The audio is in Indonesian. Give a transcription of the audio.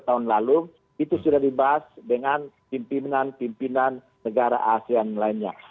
tahun lalu itu sudah dibahas dengan pimpinan pimpinan negara asean lainnya